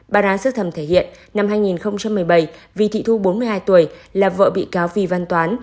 bản án sơ thẩm thể hiện năm hai nghìn một mươi bảy vì thị thu bốn mươi hai tuổi là vợ bị cáo vì văn toán